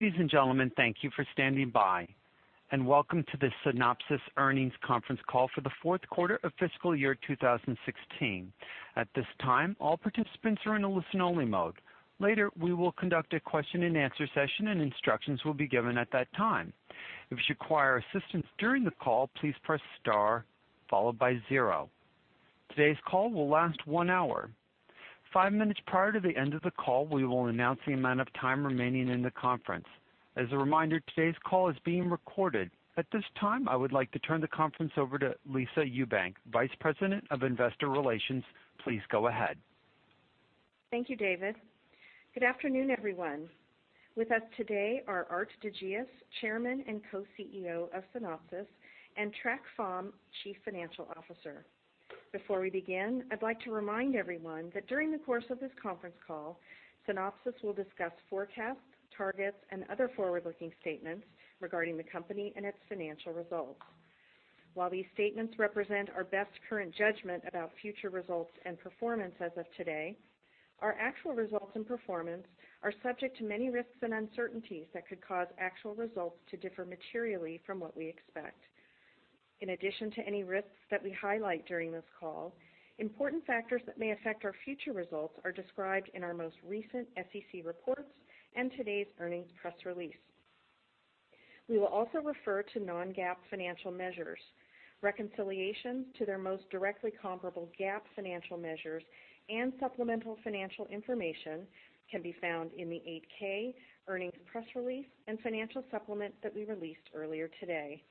Ladies and gentlemen, thank you for standing by, and welcome to the Synopsys earnings conference call for the fourth quarter of fiscal year 2016. At this time, all participants are in a listen-only mode. Later, we will conduct a question-and-answer session, and instructions will be given at that time. If you require assistance during the call, please press star followed by zero. Today's call will last one hour. Five minutes prior to the end of the call, we will announce the amount of time remaining in the conference. As a reminder, today's call is being recorded. At this time, I would like to turn the conference over to Lisa Ewbank, Vice President of Investor Relations. Please go ahead. Thank you, David. Good afternoon, everyone. With us today are Aart de Geus, Chairman and Co-CEO of Synopsys, and Trac Pham, Chief Financial Officer. Before we begin, I'd like to remind everyone that during the course of this conference call, Synopsys will discuss forecasts, targets, and other forward-looking statements regarding the company and its financial results. While these statements represent our best current judgment about future results and performance as of today, our actual results and performance are subject to many risks and uncertainties that could cause actual results to differ materially from what we expect. In addition to any risks that we highlight during this call, important factors that may affect our future results are described in our most recent SEC reports and today's earnings press release. We will also refer to non-GAAP financial measures. Reconciliations to their most directly comparable GAAP financial measures and supplemental financial information can be found in the 8-K, earnings press release, and financial supplement that we released earlier today.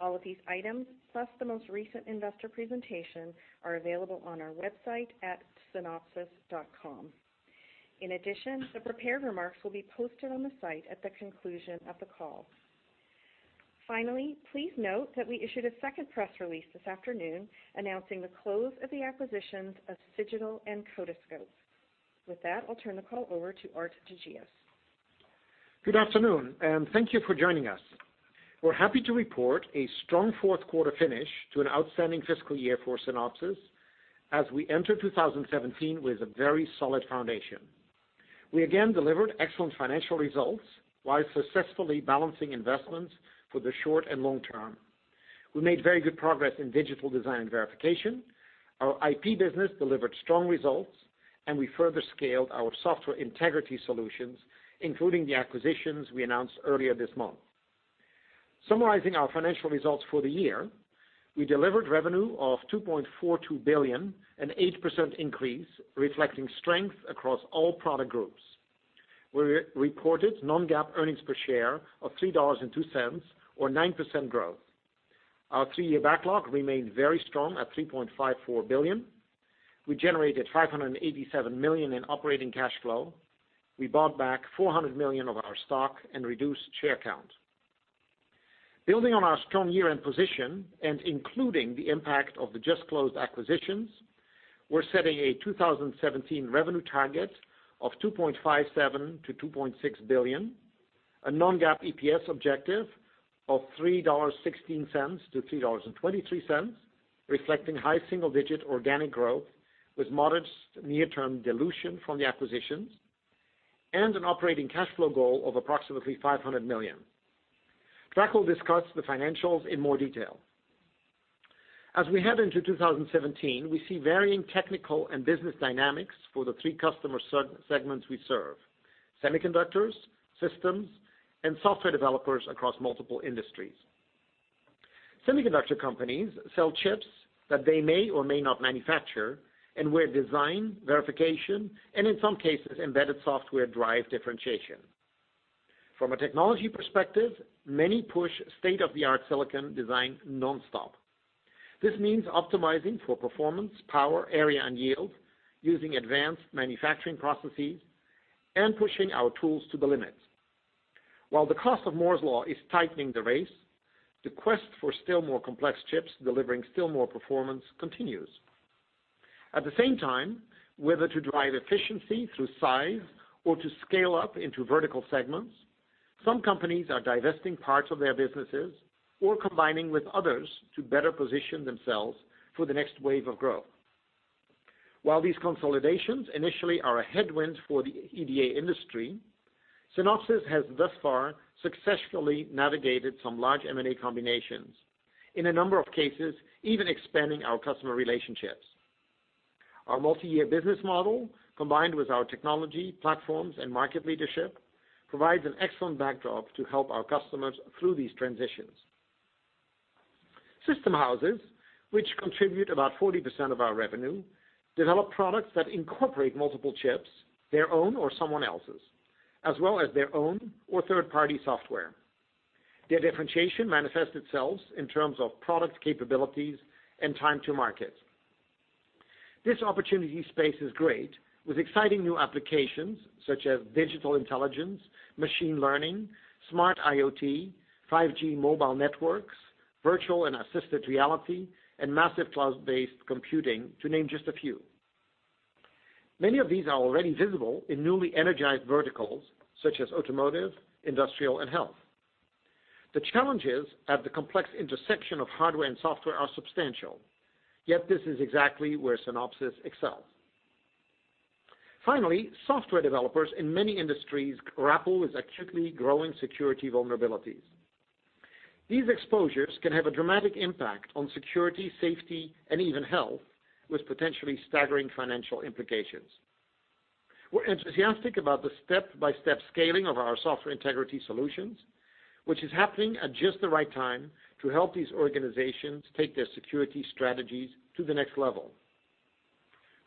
All of these items, plus the most recent investor presentation, are available on our website at synopsys.com. The prepared remarks will be posted on the site at the conclusion of the call. Please note that we issued a second press release this afternoon announcing the close of the acquisitions of Cigital and Codiscope. With that, I'll turn the call over to Aart de Geus. Good afternoon, and thank you for joining us. We're happy to report a strong fourth quarter finish to an outstanding fiscal year for Synopsys as we enter 2017 with a very solid foundation. We again delivered excellent financial results while successfully balancing investments for the short and long term. We made very good progress in digital design verification. Our IP business delivered strong results, and we further scaled our software integrity solutions, including the acquisitions we announced earlier this month. Summarizing our financial results for the year, we delivered revenue of $2.42 billion, an 8% increase reflecting strength across all product groups. We reported non-GAAP earnings per share of $3.02, or 9% growth. Our three-year backlog remained very strong at $3.54 billion. We generated $587 million in operating cash flow. We bought back $400 million of our stock and reduced share count. Building on our strong year-end position and including the impact of the just-closed acquisitions, we're setting a 2017 revenue target of $2.57 billion-$2.6 billion, a non-GAAP EPS objective of $3.16-$3.23, reflecting high single-digit organic growth with modest near-term dilution from the acquisitions, and an operating cash flow goal of approximately $500 million. Trac will discuss the financials in more detail. As we head into 2017, we see varying technical and business dynamics for the three customer segments we serve: semiconductors, systems, and software developers across multiple industries. Semiconductor companies sell chips that they may or may not manufacture and where design verification, and in some cases, embedded software drive differentiation. From a technology perspective, many push state-of-the-art silicon design nonstop. This means optimizing for performance, power, area, and yield using advanced manufacturing processes and pushing our tools to the limit. While the cost of Moore's Law is tightening the race, the quest for still more complex chips delivering still more performance continues. At the same time, whether to drive efficiency through size or to scale up into vertical segments, some companies are divesting parts of their businesses or combining with others to better position themselves for the next wave of growth. While these consolidations initially are a headwind for the EDA industry, Synopsys has thus far successfully navigated some large M&A combinations, in a number of cases, even expanding our customer relationships. Our multi-year business model, combined with our technology, platforms, and market leadership, provides an excellent backdrop to help our customers through these transitions. System houses, which contribute about 40% of our revenue, develop products that incorporate multiple chips, their own or someone else's, as well as their own or third-party software. Their differentiation manifests itself in terms of product capabilities and time to market. This opportunity space is great, with exciting new applications such as digital intelligence, machine learning, smart IoT, 5G mobile networks, virtual and assisted reality, and massive cloud-based computing, to name just a few. Many of these are already visible in newly energized verticals such as automotive, industrial, and health. The challenges at the complex intersection of hardware and software are substantial. Yet this is exactly where Synopsys excels. Finally, software developers in many industries grapple with acutely growing security vulnerabilities. These exposures can have a dramatic impact on security, safety, and even health, with potentially staggering financial implications. We're enthusiastic about the step-by-step scaling of our software integrity solutions, which is happening at just the right time to help these organizations take their security strategies to the next level.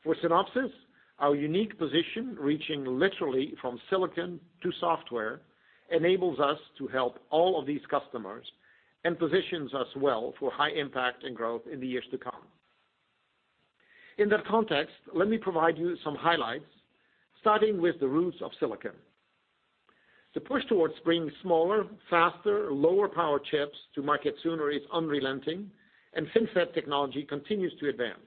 For Synopsys, our unique position, reaching literally from silicon to software, enables us to help all of these customers and positions us well for high impact and growth in the years to come. In that context, let me provide you some highlights, starting with the roots of silicon. The push towards bringing smaller, faster, lower power chips to market sooner is unrelenting, and FinFET technology continues to advance.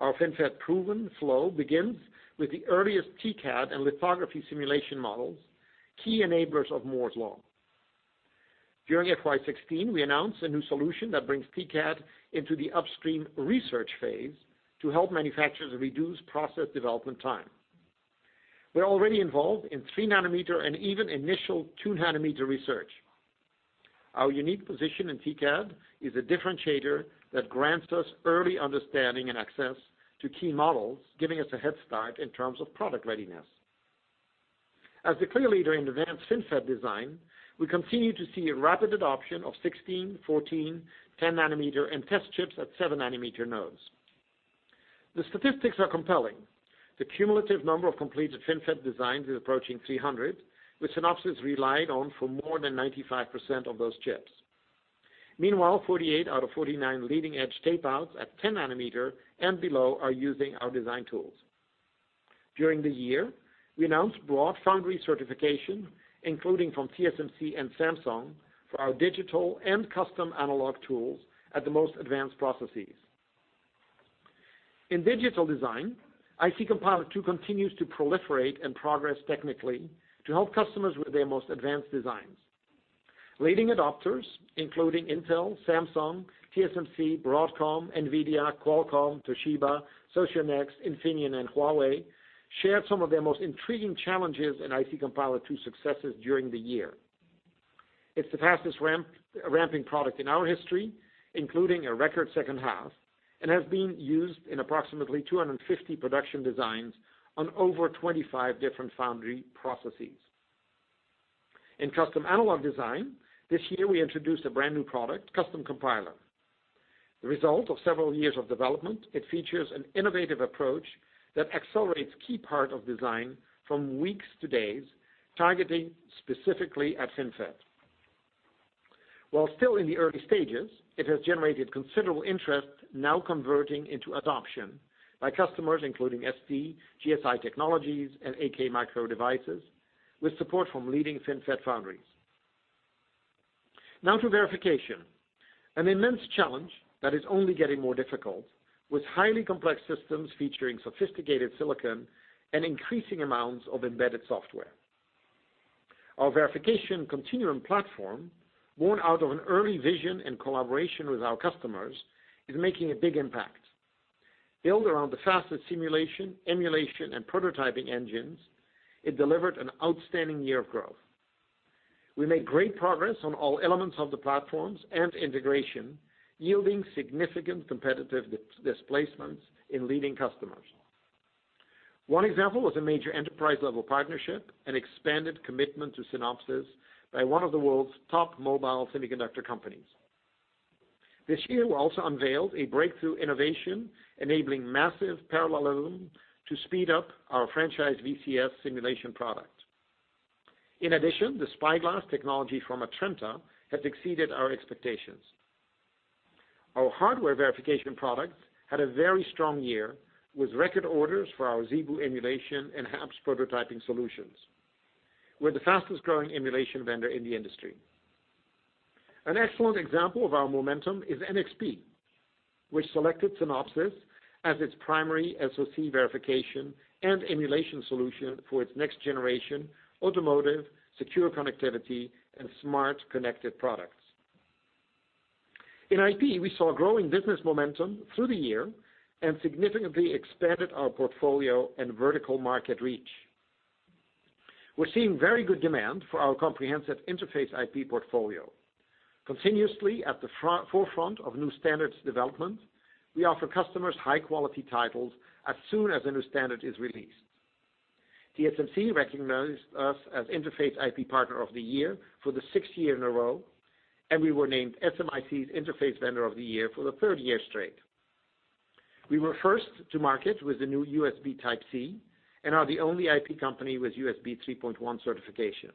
Our FinFET-proven flow begins with the earliest TCAD and lithography simulation models, key enablers of Moore's Law. During FY 2016, we announced a new solution that brings TCAD into the upstream research phase to help manufacturers reduce process development time. We're already involved in three nanometer and even initial two nanometer research. Our unique position in TCAD is a differentiator that grants us early understanding and access to key models, giving us a head start in terms of product readiness. As a clear leader in advanced FinFET design, we continue to see a rapid adoption of 16, 14, 10 nanometer, and test chips at seven nanometer nodes. The statistics are compelling. The cumulative number of completed FinFET designs is approaching 300, with Synopsys relied on for more than 95% of those chips. Meanwhile, 48 out of 49 leading-edge tape-outs at 10 nanometer and below are using our design tools. During the year, we announced broad foundry certification, including from TSMC and Samsung, for our digital and custom analog tools at the most advanced processes. In digital design, IC Compiler II continues to proliferate and progress technically to help customers with their most advanced designs. Leading adopters, including Intel, Samsung, TSMC, Broadcom, Nvidia, Qualcomm, Toshiba, Socionext, Infineon, and Huawei, shared some of their most intriguing challenges and IC Compiler II successes during the year. It's the fastest-ramping product in our history, including a record second half, and has been used in approximately 250 production designs on over 25 different foundry processes. In custom analog design, this year, we introduced a brand-new product, Custom Compiler. The result of several years of development, it features an innovative approach that accelerates key part of design from weeks to days, targeting specifically at FinFET. While still in the early stages, it has generated considerable interest, now converting into adoption by customers including ST, GSI Technology, and AKM, with support from leading FinFET foundries. Now to verification, an immense challenge that is only getting more difficult, with highly complex systems featuring sophisticated silicon and increasing amounts of embedded software. Our Verification Continuum platform, born out of an early vision and collaboration with our customers, is making a big impact. Built around the fastest simulation, emulation, and prototyping engines, it delivered an outstanding year of growth. We made great progress on all elements of the platforms and integration, yielding significant competitive displacements in leading customers. One example was a major enterprise-level partnership and expanded commitment to Synopsys by one of the world's top mobile semiconductor companies. This year, we also unveiled a breakthrough innovation enabling massive parallelism to speed up our franchise VCS simulation product. In addition, the SpyGlass technology from Atrenta has exceeded our expectations. Our hardware verification products had a very strong year, with record orders for our ZeBu emulation and HAPS prototyping solutions. We're the fastest-growing emulation vendor in the industry. An excellent example of our momentum is NXP, which selected Synopsys as its primary SoC verification and emulation solution for its next-generation automotive, secure connectivity, and smart connected products. In IP, we saw growing business momentum through the year and significantly expanded our portfolio and vertical market reach. We're seeing very good demand for our comprehensive interface IP portfolio. Continuously at the forefront of new standards development, we offer customers high-quality titles as soon as a new standard is released. TSMC recognized us as Interface IP Partner of the Year for the sixth year in a row, and we were named SMIC's Interface Vendor of the Year for the third year straight. We were first to market with the new USB Type-C and are the only IP company with USB 3.1 certification.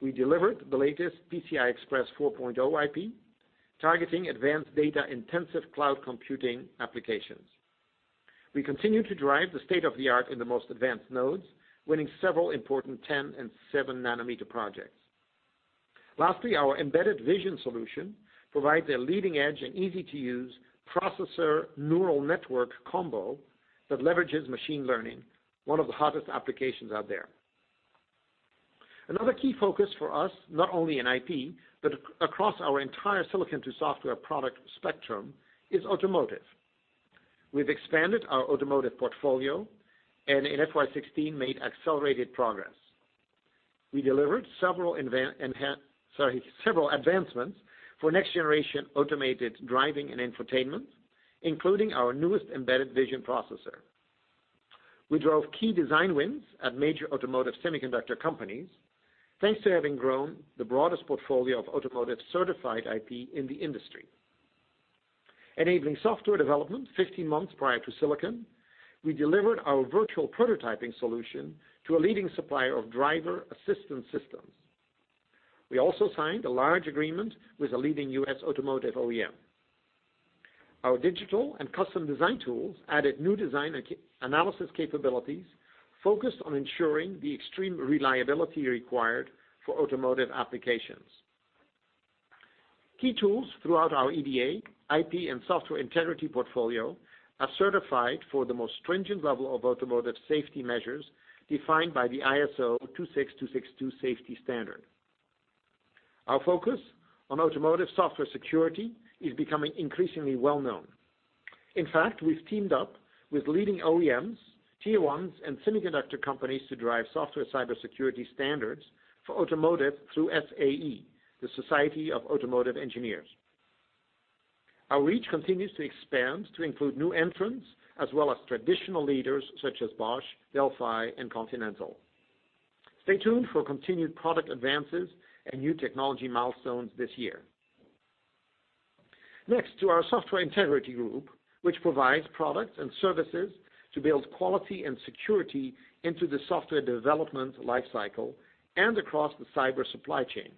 We delivered the latest PCI Express 4.0 IP, targeting advanced data-intensive cloud computing applications. We continue to drive the state-of-the-art in the most advanced nodes, winning several important 10 and seven nanometer projects. Lastly, our embedded vision solution provides a leading-edge and easy-to-use processor neural network combo that leverages machine learning, one of the hottest applications out there. Another key focus for us, not only in IP, but across our entire silicon-to-software product spectrum, is automotive. We've expanded our automotive portfolio, and in FY 2016, made accelerated progress. We delivered several advancements for next-generation automated driving and infotainment, including our newest embedded vision processor. We drove key design wins at major automotive semiconductor companies, thanks to having grown the broadest portfolio of automotive-certified IP in the industry. Enabling software development 15 months prior to silicon, we delivered our virtual prototyping solution to a leading supplier of driver assistance systems. We also signed a large agreement with a leading U.S. automotive OEM. Our digital and custom design tools added new design analysis capabilities focused on ensuring the extreme reliability required for automotive applications. Key tools throughout our EDA, IP, and software integrity portfolio are certified for the most stringent level of automotive safety measures defined by the ISO 26262 safety standard. Our focus on automotive software security is becoming increasingly well-known. In fact, we've teamed up with leading OEMs, tier ones, and semiconductor companies to drive software cybersecurity standards for automotive through SAE, the Society of Automotive Engineers. Our reach continues to expand to include new entrants, as well as traditional leaders such as Bosch, Delphi, and Continental. Stay tuned for continued product advances and new technology milestones this year. Next to our software integrity group, which provides products and services to build quality and security into the software development life cycle and across the cyber supply chain.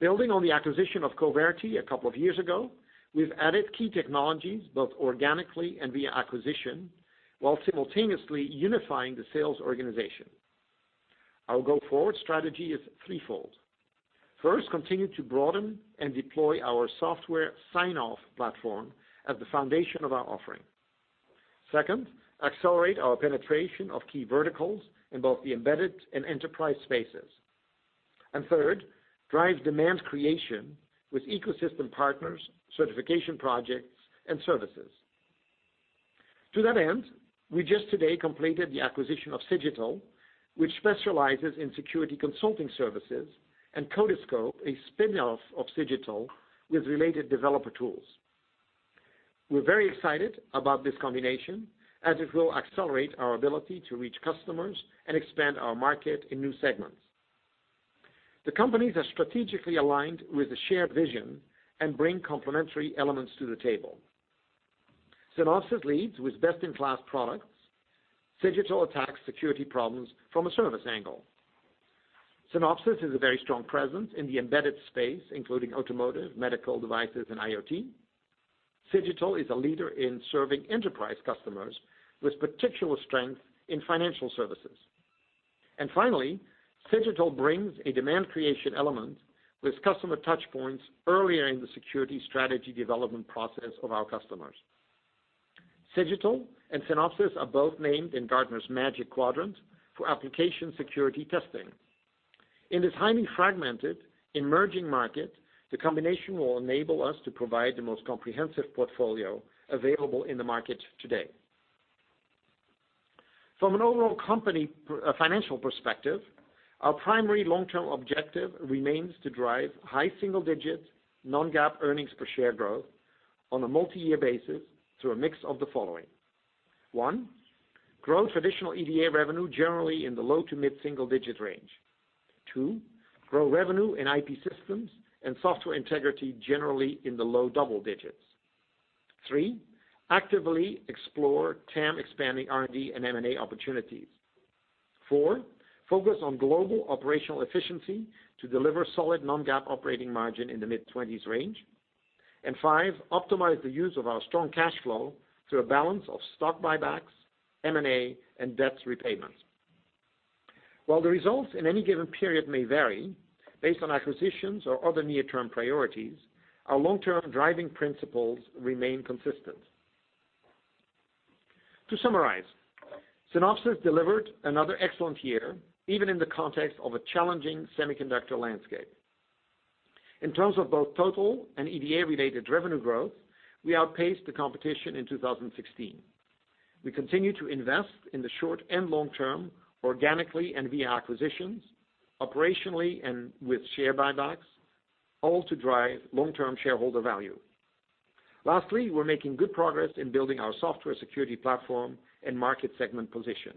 Building on the acquisition of Coverity a couple of years ago, we've added key technologies, both organically and via acquisition, while simultaneously unifying the sales organization. Our go-forward strategy is threefold. First, continue to broaden and deploy our software sign-off platform as the foundation of our offering. Second, accelerate our penetration of key verticals in both the embedded and enterprise spaces. Third, drive demand creation with ecosystem partners, certification projects, and services. To that end, we just today completed the acquisition of Cigital, which specializes in security consulting services, and Codiscope, a spin-off of Cigital with related developer tools. We're very excited about this combination, as it will accelerate our ability to reach customers and expand our market in new segments. The companies are strategically aligned with a shared vision and bring complementary elements to the table. Synopsys leads with best-in-class products. Cigital attacks security problems from a service angle. Synopsys has a very strong presence in the embedded space, including automotive, medical devices, and IoT. Cigital is a leader in serving enterprise customers with particular strength in financial services. Finally, Cigital brings a demand creation element with customer touchpoints earlier in the security strategy development process of our customers. Cigital and Synopsys are both named in Gartner's Magic Quadrant for application security testing. In this highly fragmented, emerging market, the combination will enable us to provide the most comprehensive portfolio available in the market today. From an overall company financial perspective, our primary long-term objective remains to drive high single-digit, non-GAAP earnings per share growth on a multi-year basis through a mix of the following. One, grow traditional EDA revenue generally in the low to mid-single digit range. Two, grow revenue in IP systems and software integrity generally in the low double digits. Three, actively explore TAM expanding R&D and M&A opportunities. Four, focus on global operational efficiency to deliver solid non-GAAP operating margin in the mid-20s range. Five, optimize the use of our strong cash flow through a balance of stock buybacks, M&A, and debt repayments. While the results in any given period may vary based on acquisitions or other near-term priorities, our long-term driving principles remain consistent. To summarize, Synopsys delivered another excellent year, even in the context of a challenging semiconductor landscape. In terms of both total and EDA-related revenue growth, we outpaced the competition in 2016. We continue to invest in the short and long term organically and via acquisitions, operationally and with share buybacks, all to drive long-term shareholder value. Lastly, we're making good progress in building our software security platform and market segment position.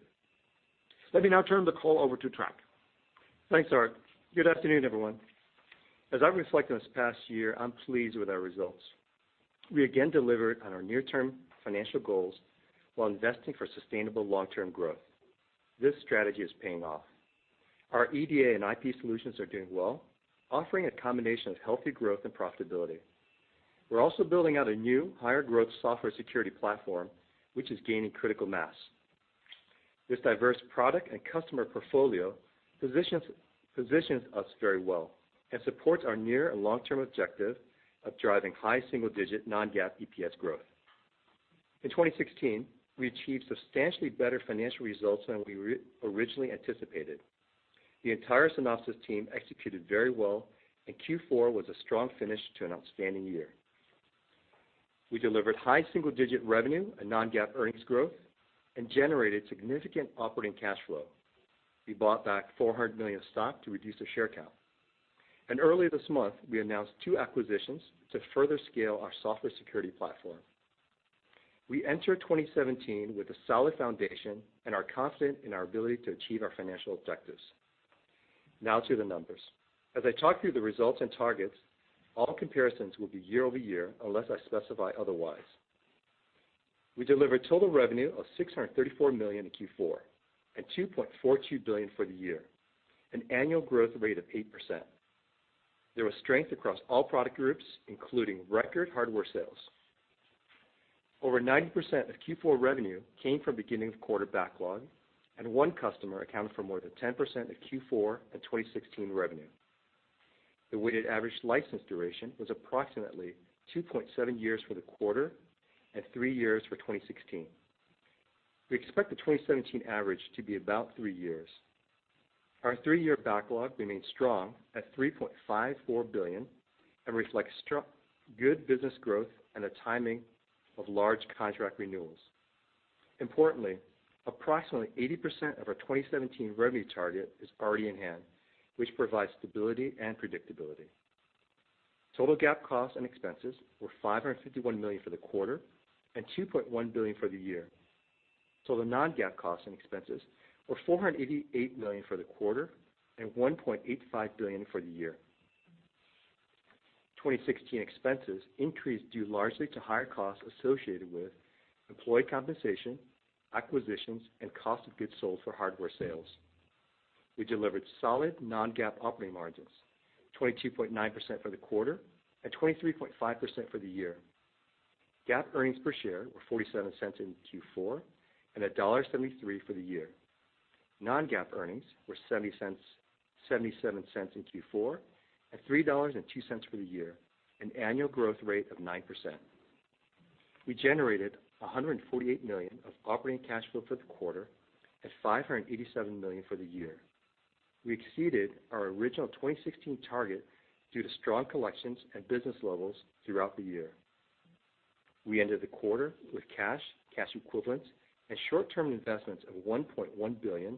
Let me now turn the call over to Trac. Thanks, Aart. Good afternoon, everyone. As I reflect on this past year, I'm pleased with our results. We again delivered on our near-term financial goals while investing for sustainable long-term growth. This strategy is paying off. Our EDA and IP solutions are doing well, offering a combination of healthy growth and profitability. We're also building out a new higher growth software security platform, which is gaining critical mass. This diverse product and customer portfolio positions us very well and supports our near and long-term objective of driving high single-digit non-GAAP EPS growth. In 2016, we achieved substantially better financial results than we originally anticipated. The entire Synopsys team executed very well, and Q4 was a strong finish to an outstanding year. We delivered high single-digit revenue and non-GAAP earnings growth and generated significant operating cash flow. We bought back $400 million of stock to reduce the share count. Earlier this month, we announced two acquisitions to further scale our software security platform. We enter 2017 with a solid foundation and are confident in our ability to achieve our financial objectives. Now to the numbers. As I talk through the results and targets, all comparisons will be year-over-year unless I specify otherwise. We delivered total revenue of $634 million in Q4 and $2.42 billion for the year, an annual growth rate of 8%. There was strength across all product groups, including record hardware sales. Over 90% of Q4 revenue came from beginning of quarter backlog, and one customer accounted for more than 10% of Q4 and 2016 revenue. The weighted average license duration was approximately 2.7 years for the quarter and three years for 2016. We expect the 2017 average to be about three years. Our three-year backlog remains strong at $3.54 billion and reflects good business growth and the timing of large contract renewals. Importantly, approximately 80% of our 2017 revenue target is already in hand, which provides stability and predictability. Total GAAP costs and expenses were $551 million for the quarter and $2.1 billion for the year. Total non-GAAP costs and expenses were $488 million for the quarter and $1.85 billion for the year. 2016 expenses increased due largely to higher costs associated with employee compensation, acquisitions, and cost of goods sold for hardware sales. We delivered solid non-GAAP operating margins, 22.9% for the quarter and 23.5% for the year. GAAP earnings per share were $0.47 in Q4 and $1.73 for the year. Non-GAAP earnings were $0.77 in Q4 and $3.02 for the year, an annual growth rate of 9%. We generated $148 million of operating cash flow for the quarter and $587 million for the year. We exceeded our original 2016 target due to strong collections and business levels throughout the year. We ended the quarter with cash equivalents, and short-term investments of $1.1 billion,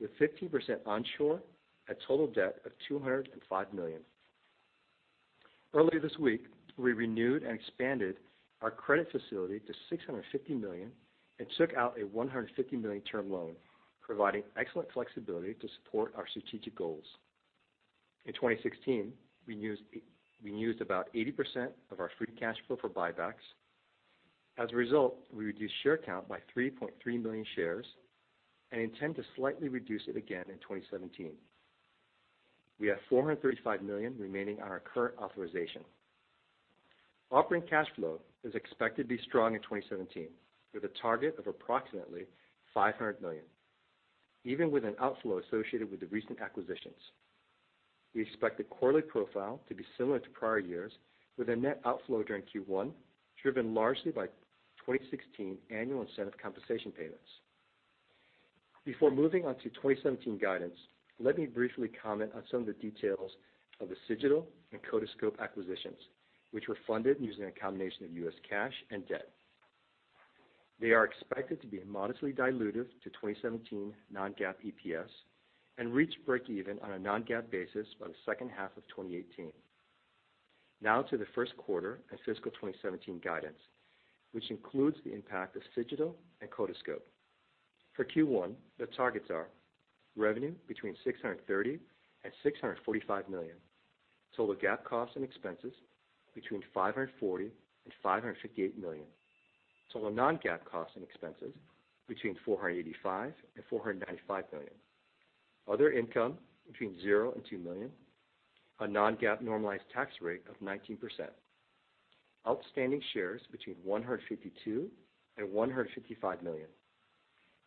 with 50% onshore, a total debt of $205 million. Earlier this week, we renewed and expanded our credit facility to $650 million and took out a $150 million term loan, providing excellent flexibility to support our strategic goals. In 2016, we used about 80% of our free cash flow for buybacks. As a result, we reduced share count by 3.3 million shares and intend to slightly reduce it again in 2017. We have $435 million remaining on our current authorization. Operating cash flow is expected to be strong in 2017, with a target of approximately $500 million, even with an outflow associated with the recent acquisitions. We expect the quarterly profile to be similar to prior years, with a net outflow during Q1, driven largely by 2016 annual incentive compensation payments. Before moving on to 2017 guidance, let me briefly comment on some of the details of the Cigital and Codiscope acquisitions, which were funded using a combination of U.S. cash and debt. They are expected to be modestly dilutive to 2017 non-GAAP EPS and reach break even on a non-GAAP basis by the second half of 2018. Now to the first quarter and fiscal 2017 guidance, which includes the impact of Cigital and Codiscope. For Q1, the targets are revenue between $630 million and $645 million, total GAAP costs and expenses between $540 million and $558 million, total non-GAAP costs and expenses between $485 million and $495 million, other income between $0 and $2 million, a non-GAAP normalized tax rate of 19%, outstanding shares between 152 million and 155 million,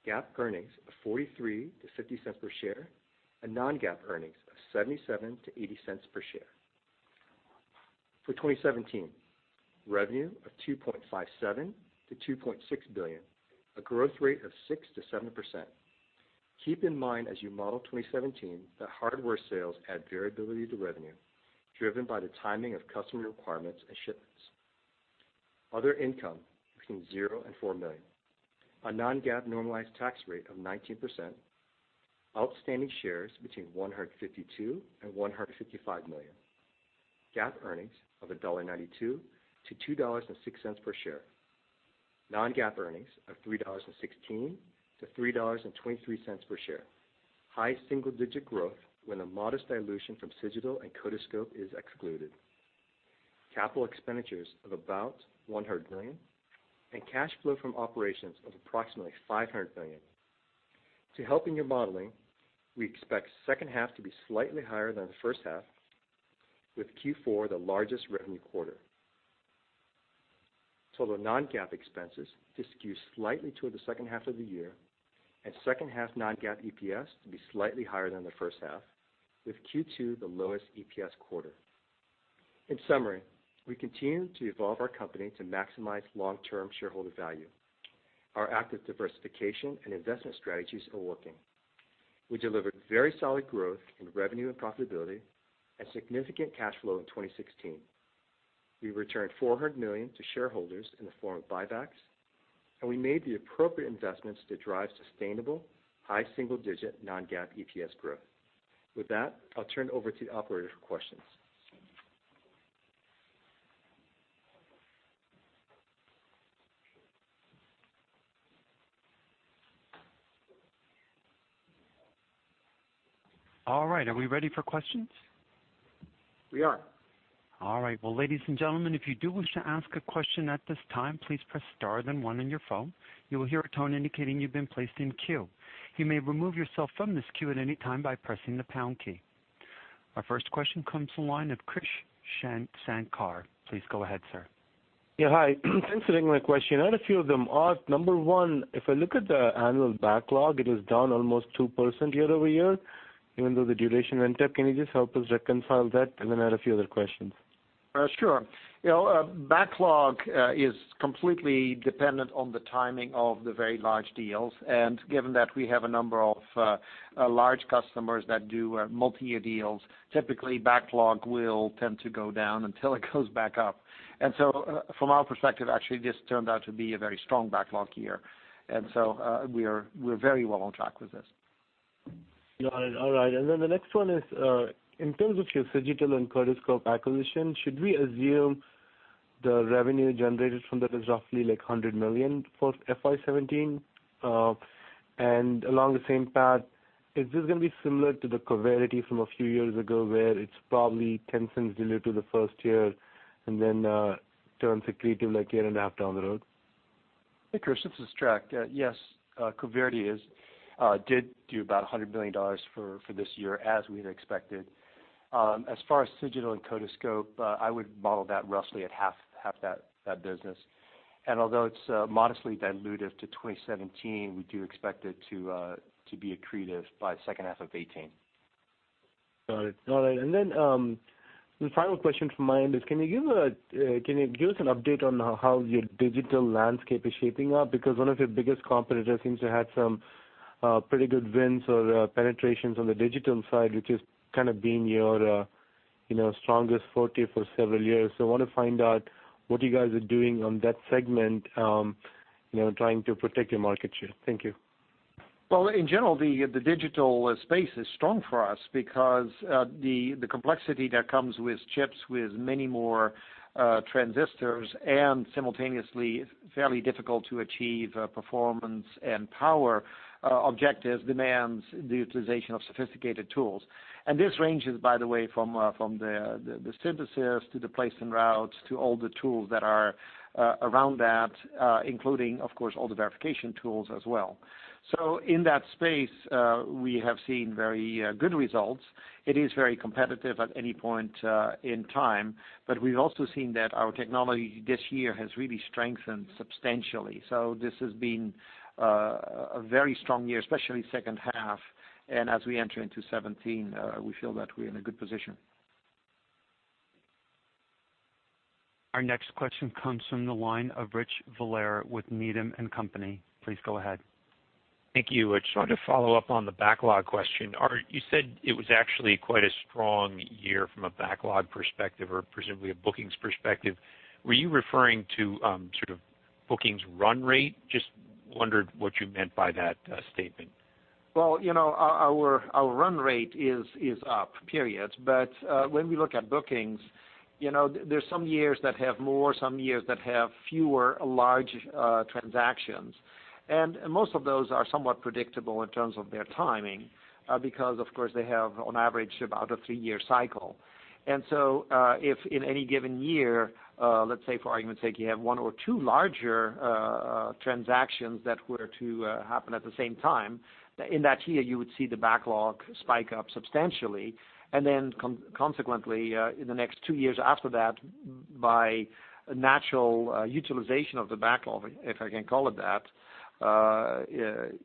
GAAP earnings of $0.43 to $0.50 per share, and non-GAAP earnings of $0.77 to $0.80 per share. For 2017, revenue of $2.57 billion to $2.6 billion, a growth rate of 6%-7%. Keep in mind, as you model 2017, that hardware sales add variability to revenue, driven by the timing of customer requirements and shipments. Other income between $0 and $4 million. A non-GAAP normalized tax rate of 19%. Outstanding shares between 152 million and 155 million. GAAP earnings of $1.92 to $2.06 per share. Non-GAAP earnings of $3.16 to $3.23 per share. High single-digit growth when a modest dilution from Cigital and Codiscope is excluded. Capital expenditures of about $100 million, and cash flow from operations of approximately $500 million. To help in your modeling, we expect the second half to be slightly higher than the first half, with Q4 the largest revenue quarter. Total non-GAAP expenses to skew slightly toward the second half of the year, and second half non-GAAP EPS to be slightly higher than the first half, with Q2 the lowest EPS quarter. In summary, we continue to evolve our company to maximize long-term shareholder value. Our active diversification and investment strategies are working. We delivered very solid growth in revenue and profitability and significant cash flow in 2016. We returned $400 million to shareholders in the form of buybacks, and we made the appropriate investments to drive sustainable high single-digit non-GAAP EPS growth. With that, I'll turn it over to the operator for questions. All right. Are we ready for questions? We are. All right. Well, ladies and gentlemen, if you do wish to ask a question at this time, please press star then one on your phone. You will hear a tone indicating you've been placed in queue. You may remove yourself from this queue at any time by pressing the pound key. Our first question comes from the line of Krish Sankar. Please go ahead, sir. Yeah. Hi. Thanks for taking my question. I had a few of them. Number one, if I look at the annual backlog, it is down almost 2% year-over-year, even though the duration went up. Can you just help us reconcile that? I had a few other questions. Sure. Backlog is completely dependent on the timing of the very large deals, and given that we have a number of large customers that do multi-year deals, typically backlog will tend to go down until it goes back up. From our perspective, actually, this turned out to be a very strong backlog year. We're very well on track with this. Got it. All right. The next one is, in terms of your Cigital and Codiscope acquisition, should we assume the revenue generated from that is roughly $100 million for FY 2017? Along the same path, is this going to be similar to the Coverity from a few years ago, where it's probably $0.10 dilutive the first year and then turns accretive a year and a half down the road? Hey, Krish, this is Trac. Yes, Coverity did do about $100 million for this year as we had expected. As far as Cigital and Codiscope, I would model that roughly at half that business. Although it's modestly dilutive to 2017, we do expect it to be accretive by the second half of 2018. Got it. The final question from my end is, can you give us an update on how your digital landscape is shaping up? One of your biggest competitors seems to have had some pretty good wins or penetrations on the digital side, which has kind of been your strongest forte for several years. I want to find out what you guys are doing on that segment, trying to protect your market share. Thank you. Well, in general, the digital space is strong for us because the complexity that comes with chips with many more transistors and simultaneously fairly difficult to achieve performance and power objectives demands the utilization of sophisticated tools. This ranges, by the way, from the synthesis to the place and route to all the tools that are around that, including, of course, all the verification tools as well. In that space, we have seen very good results. It is very competitive at any point in time, but we've also seen that our technology this year has really strengthened substantially. This has been a very strong year, especially second half, and as we enter into 2017, we feel that we're in a good position. Our next question comes from the line of Rich Valera with Needham & Company. Please go ahead. Thank you. Just wanted to follow up on the backlog question. You said it was actually quite a strong year from a backlog perspective or presumably a bookings perspective. Were you referring to sort of bookings run rate? Just wondered what you meant by that statement. Well, our run rate is up, period. When we look at bookings, there's some years that have more, some years that have fewer large transactions. Most of those are somewhat predictable in terms of their timing, because of course they have on average about a three-year cycle. If in any given year, let's say for argument's sake, you have one or two larger transactions that were to happen at the same time, in that year, you would see the backlog spike up substantially. Consequently, in the next two years after that, by natural utilization of the backlog, if I can call it that,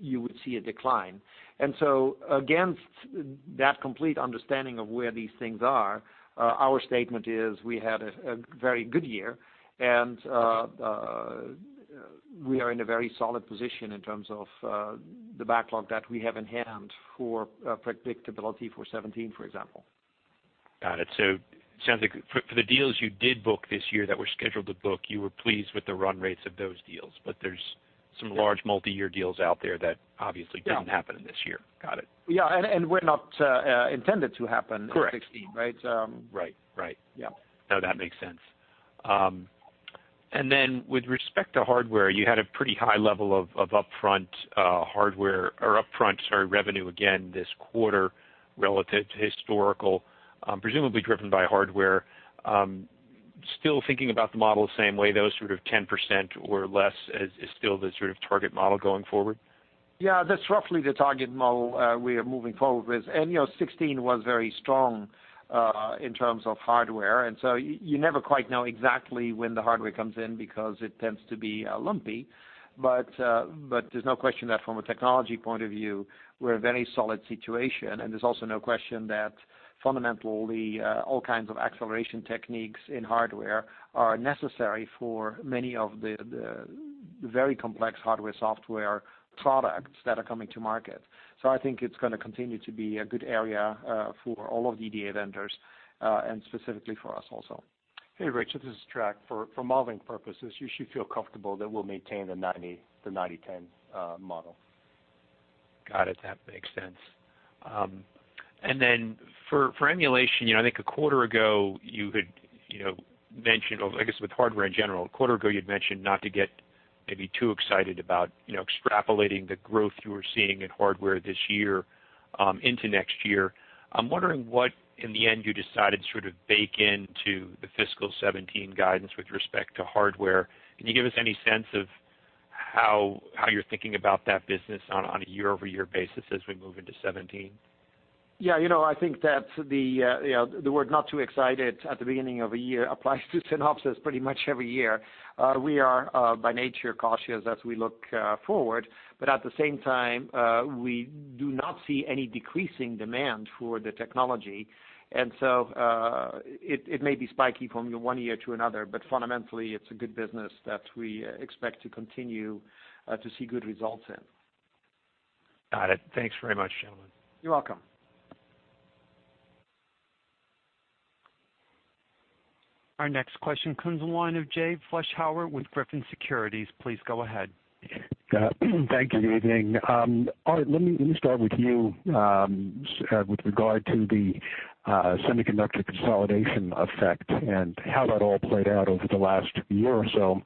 you would see a decline. Against that complete understanding of where these things are, our statement is we had a very good year, and we are in a very solid position in terms of the backlog that we have in hand for predictability for 2017, for example. Got it. It sounds like for the deals you did book this year that were scheduled to book, you were pleased with the run rates of those deals, but there's some large multi-year deals out there that obviously didn't happen this year. Got it. Yeah. Were not intended to happen in 2016, right? Correct. Right. Yeah. No, that makes sense. Then with respect to hardware, you had a pretty high level of upfront revenue again this quarter relative to historical, presumably driven by hardware. Still thinking about the model the same way, though, sort of 10% or less is still the sort of target model going forward? Yeah, that's roughly the target model we are moving forward with. 2016 was very strong in terms of hardware, and so you never quite know exactly when the hardware comes in because it tends to be lumpy. There's no question that from a technology point of view, we're a very solid situation, and there's also no question that fundamentally, all kinds of acceleration techniques in hardware are necessary for many of the very complex hardware-software products that are coming to market. I think it's going to continue to be a good area for all of the EDA vendors, and specifically for us also. Hey, Rich Valera, this is Trac Pham. For modeling purposes, you should feel comfortable that we'll maintain the 90/10 model. Got it. That makes sense. Then for emulation, I think a quarter ago, you had mentioned, I guess with hardware in general, a quarter ago you had mentioned not to get maybe too excited about extrapolating the growth you were seeing in hardware this year into next year. I'm wondering what in the end you decided to bake into the fiscal 2017 guidance with respect to hardware. Can you give us any sense of how you're thinking about that business on a year-over-year basis as we move into 2017? Yeah, I think that the word "not too excited" at the beginning of a year applies to Synopsys pretty much every year. We are by nature cautious as we look forward, but at the same time, we do not see any decreasing demand for the technology. So, it may be spiky from one year to another, but fundamentally, it's a good business that we expect to continue to see good results in. Got it. Thanks very much, gentlemen. You're welcome. Our next question comes on the line of Jay Vleeschhouwer with Griffin Securities. Please go ahead. Thank you. Good evening. Aart, let me start with you with regard to the semiconductor consolidation effect and how that all played out over the last year or so.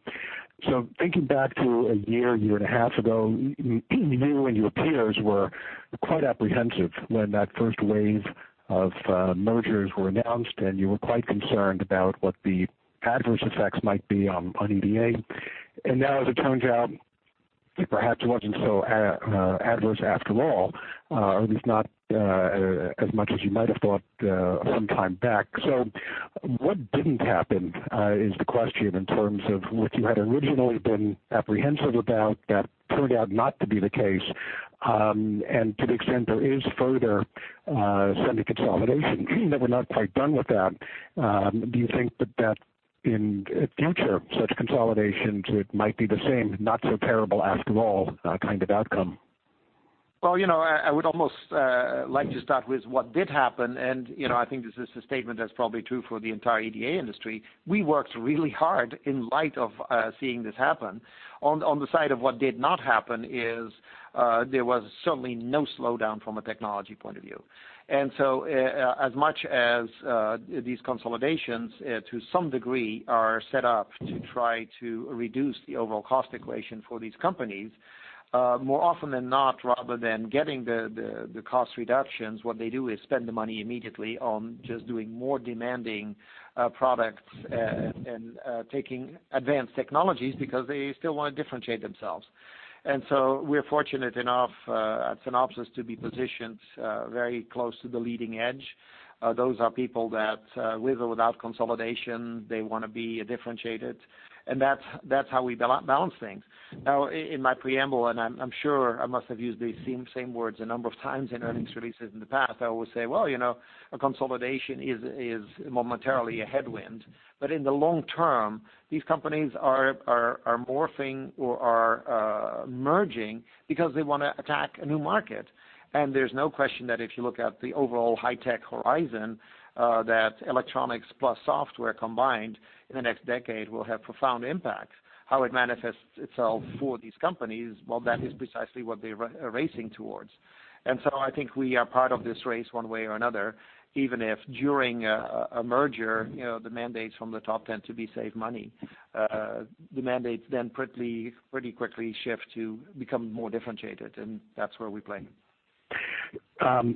Thinking back to a year and a half ago, you and your peers were quite apprehensive when that first wave of mergers were announced, you were quite concerned about what the adverse effects might be on EDA. Now, as it turns out, it perhaps wasn't so adverse after all, or at least not as much as you might have thought some time back. What didn't happen is the question in terms of what you had originally been apprehensive about that turned out not to be the case, to the extent there is further semi consolidation, that we're not quite done with that, do you think that in future such consolidations, it might be the same, not so terrible after all kind of outcome? Well, I would almost like to start with what did happen. I think this is a statement that's probably true for the entire EDA industry. We worked really hard in light of seeing this happen. On the side of what did not happen is, there was certainly no slowdown from a technology point of view. As much as these consolidations, to some degree, are set up to try to reduce the overall cost equation for these companies, more often than not, rather than getting the cost reductions, what they do is spend the money immediately on just doing more demanding products and taking advanced technologies because they still want to differentiate themselves. We're fortunate enough at Synopsys to be positioned very close to the leading edge. Those are people that, with or without consolidation, they want to be differentiated, and that's how we balance things. Now, in my preamble, I'm sure I must have used these same words a number of times in earnings releases in the past, I always say, well, a consolidation is momentarily a headwind, but in the long term, these companies are morphing or are merging because they want to attack a new market. There's no question that if you look at the overall high-tech horizon, that electronics plus software combined in the next decade will have profound impacts. How it manifests itself for these companies, well, that is precisely what they are racing towards. I think we are part of this race one way or another, even if during a merger, the mandates from the top tend to be save money. The mandates pretty quickly shift to become more differentiated, and that's where we play.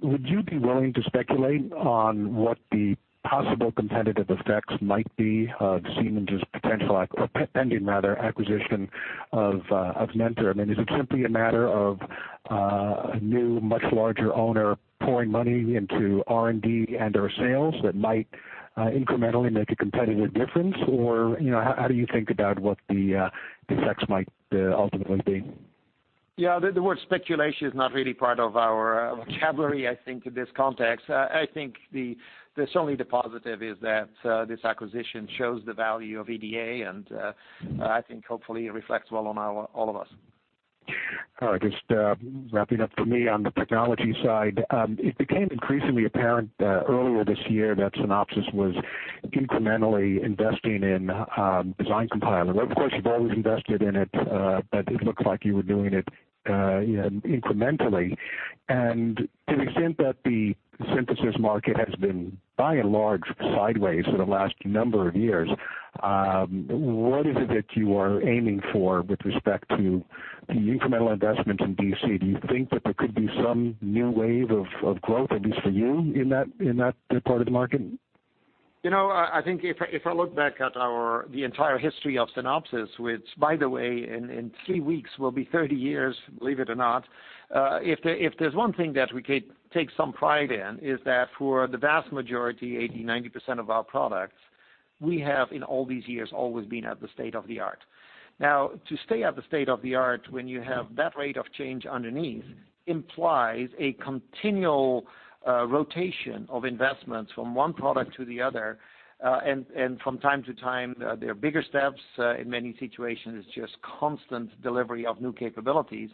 Would you be willing to speculate on what the possible competitive effects might be of Siemens' potential, or pending rather, acquisition of Mentor? I mean, is it simply a matter of a new, much larger owner pouring money into R&D and/or sales that might incrementally make a competitive difference? How do you think about what the effects might ultimately be? Yeah, the word speculation is not really part of our vocabulary, I think, in this context. I think certainly the positive is that this acquisition shows the value of EDA. I think hopefully it reflects well on all of us. All right. Just wrapping up for me on the technology side. It became increasingly apparent earlier this year that Synopsys was incrementally investing in Design Compiler. Of course, you've always invested in it, but it looked like you were doing it incrementally. To the extent that the synthesis market has been, by and large, sideways for the last number of years, what is it that you are aiming for with respect to the incremental investment in DC? Do you think that there could be some new wave of growth, at least for you, in that part of the market? I think if I look back at the entire history of Synopsys, which by the way, in three weeks will be 30 years, believe it or not. If there's one thing that we could take some pride in, is that for the vast majority, 80%, 90% of our products, we have, in all these years, always been at the state of the art. From time to time, there are bigger steps. In many situations, it's just constant delivery of new capabilities.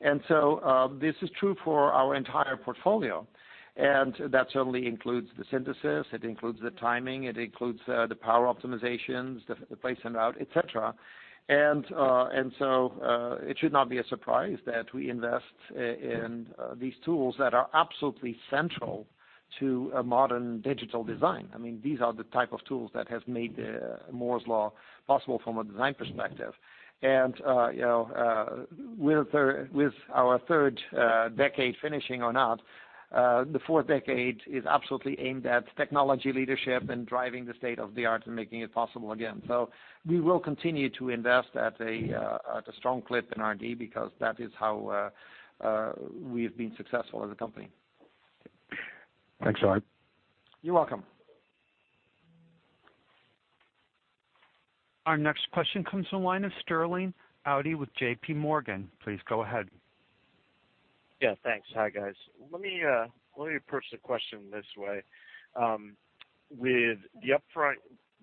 This is true for our entire portfolio, and that certainly includes the synthesis, it includes the timing, it includes the power optimizations, the place and route, et cetera. It should not be a surprise that we invest in these tools that are absolutely central to a modern digital design. These are the type of tools that have made Moore's Law possible from a design perspective. With our third decade finishing or not, the fourth decade is absolutely aimed at technology leadership and driving the state of the art and making it possible again. We will continue to invest at a strong clip in R&D, because that is how we've been successful as a company. Thanks, Aart. You're welcome. Our next question comes from the line of Sterling Auty with JPMorgan. Please go ahead. Yeah, thanks. Hi, guys. Let me approach the question this way. With the upfront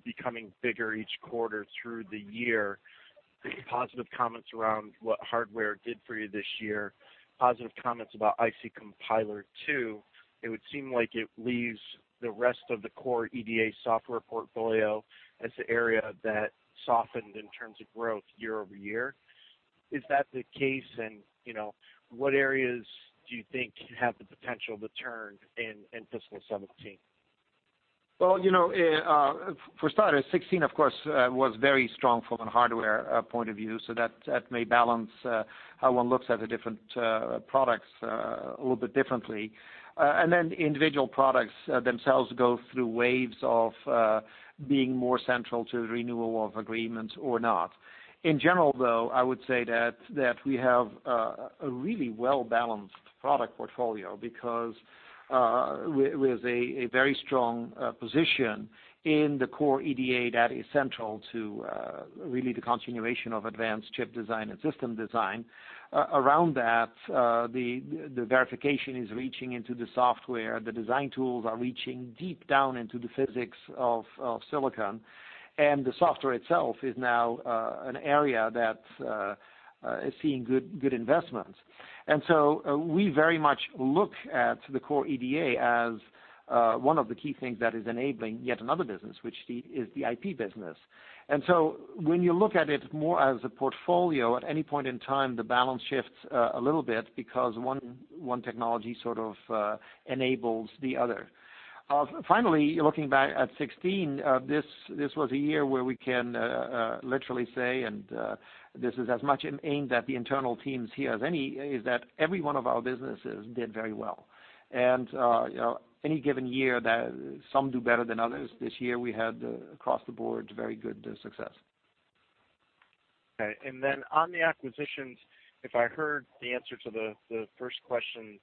becoming bigger each quarter through the year, the positive comments around what hardware did for you this year, positive comments about IC Compiler II, it would seem like it leaves the rest of the core EDA software portfolio as the area that softened in terms of growth year-over-year. Is that the case, and what areas do you think have the potential to turn in fiscal 2017? Well, for starters, 2016, of course, was very strong from a hardware point of view. That may balance how one looks at the different products a little bit differently. Then the individual products themselves go through waves of being more central to renewal of agreements or not. In general, though, I would say that we have a really well-balanced product portfolio because with a very strong position in the core EDA that is central to really the continuation of advanced chip design and system design. Around that, the verification is reaching into the software. The design tools are reaching deep down into the physics of silicon, and the software itself is now an area that is seeing good investments. So we very much look at the core EDA as one of the key things that is enabling yet another business, which is the IP business. When you look at it more as a portfolio, at any point in time, the balance shifts a little bit because one technology sort of enables the other. Finally, looking back at 2016, this was a year where we can literally say, and this is as much aimed at the internal teams here as any, is that every one of our businesses did very well. Any given year, some do better than others. This year, we had across the board, very good success. Okay. On the acquisitions, if I heard the answer to the first questions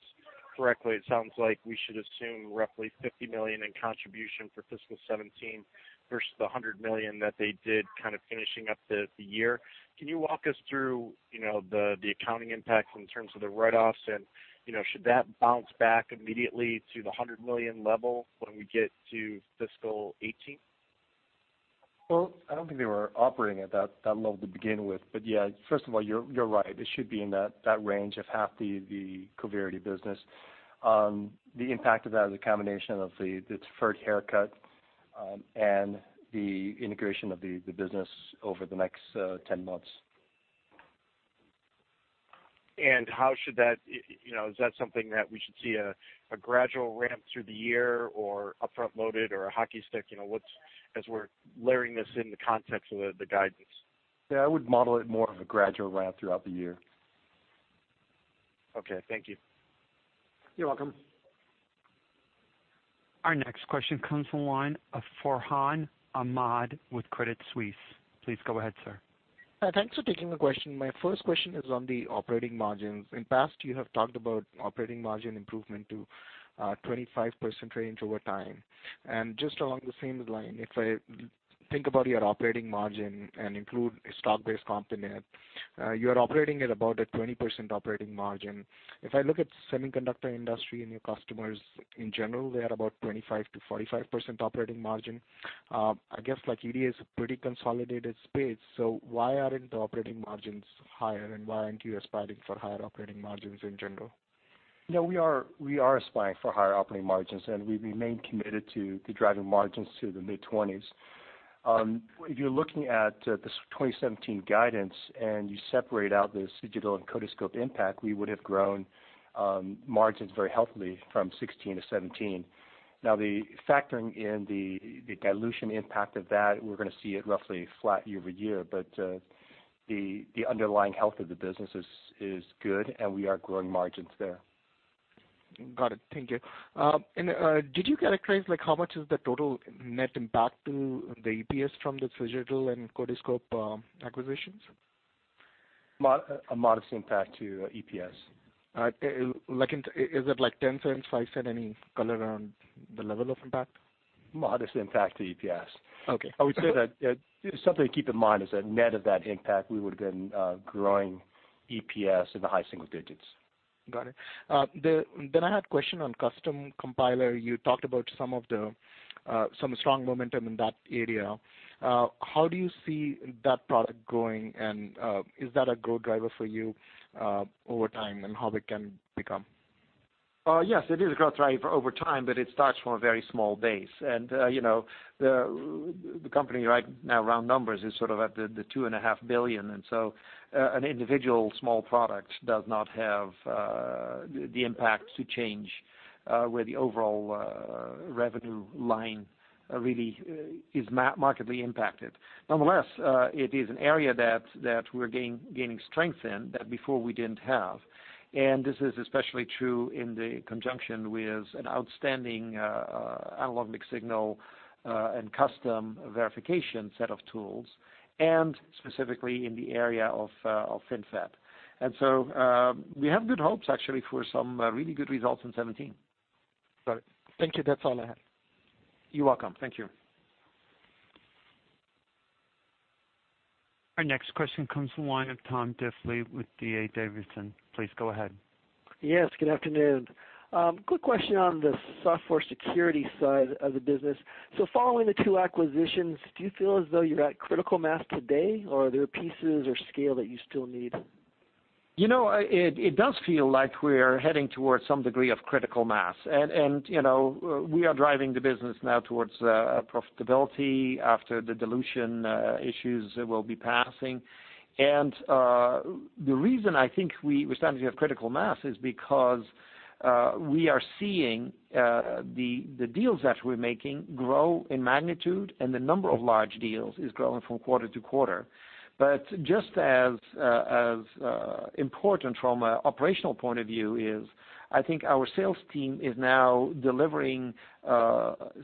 correctly, it sounds like we should assume roughly $50 million in contribution for fiscal 2017 versus the $100 million that they did kind of finishing up the year. Can you walk us through the accounting impacts in terms of the write-offs and, should that bounce back immediately to the $100 million level when we get to fiscal 2018? Well, I don't think they were operating at that level to begin with. Yeah, first of all, you're right. It should be in that range of half the Coverity business. The impact of that is a combination of the deferred haircut and the integration of the business over the next 10 months. Is that something that we should see a gradual ramp through the year or upfront loaded or a hockey stick, as we're layering this in the context of the guidance? Yeah, I would model it more of a gradual ramp throughout the year. Okay. Thank you. You're welcome. Our next question comes from the line of Farhan Ahmad with Credit Suisse. Please go ahead, sir. Thanks for taking the question. My first question is on the operating margins. In past, you have talked about operating margin improvement to 25% range over time. Just along the same line, if I think about your operating margin and include stock-based comp in it, you're operating at about a 20% operating margin. If I look at semiconductor industry and your customers in general, they are about 25%-45% operating margin. I guess, like EDA is a pretty consolidated space, why aren't the operating margins higher, and why aren't you aspiring for higher operating margins in general? We are aspiring for higher operating margins, we remain committed to driving margins to the mid-20s. If you're looking at this 2017 guidance and you separate out the Cigital and Codiscope impact, we would have grown margins very healthily from 2016 to 2017. Now, the factoring in the dilution impact of that, we're going to see it roughly flat year-over-year. The underlying health of the business is good, we are growing margins there. Got it. Thank you. Did you characterize how much is the total net impact to the EPS from this Cigital and Codiscope acquisitions? A modest impact to EPS. Is it like $0.10, $0.05? Any color around the level of impact? Modest impact to EPS. Okay. I would say that something to keep in mind is that net of that impact, we would have been growing EPS in the high single digits. Got it. I had a question on Custom Compiler. You talked about some strong momentum in that area. How do you see that product going, and is that a growth driver for you over time, and how it can become? Yes, it is a growth driver over time, but it starts from a very small base. The company right now, round numbers, is sort of at the $2.5 billion, so an individual small product does not have the impact to change where the overall revenue line really is markedly impacted. Nonetheless, it is an area that we're gaining strength in that before we didn't have. This is especially true in the conjunction with an outstanding analog mixed signal and custom verification set of tools, specifically in the area of FinFET. We have good hopes, actually, for some really good results in 2017. Got it. Thank you. That's all I have. You're welcome. Thank you. Our next question comes from the line of Tom Diffely with D.A. Davidson. Please go ahead. Yes, good afternoon. Quick question on the software security side of the business. Following the two acquisitions, do you feel as though you're at critical mass today, or are there pieces or scale that you still need? It does feel like we're heading towards some degree of critical mass. We are driving the business now towards profitability after the dilution issues will be passing. The reason I think we're starting to have critical mass is because we are seeing the deals that we're making grow in magnitude, and the number of large deals is growing from quarter-to-quarter. Just as important from an operational point of view is, I think our sales team is now delivering